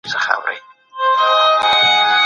تر سر لاندي يې وه توره، دى بيده و